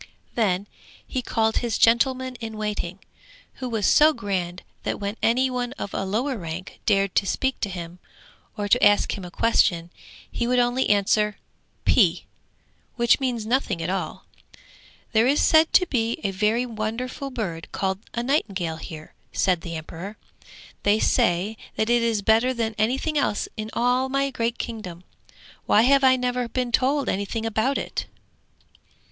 Then he called his gentleman in waiting, who was so grand that when any one of a lower rank dared to speak to him, or to ask him a question, he would only answer 'P,' which means nothing at all. 'There is said to be a very wonderful bird called a nightingale here,' said the emperor. 'They say that it is better than anything else in all my great kingdom! Why have I never been told anything about it?'